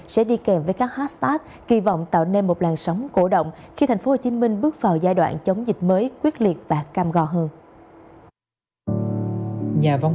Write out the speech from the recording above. sẽ đi kèm với các hashtag kỳ vọng tạo nên một làn sóng cổ động